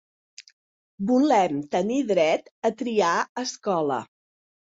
Volem tenir dret a triar escola.